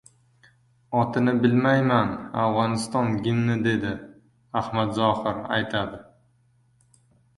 – Otini bilmayman. Afg‘oniston gimni, – dedi. – Ahmad Zohir aytadi.